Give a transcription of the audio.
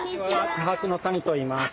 科博の谷といいます。